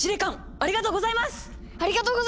ありがとうございます！